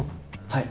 はい。